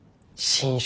新種？